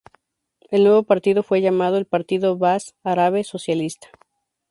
El nuevo partido fue llamado el Partido Baaz Árabe Socialista.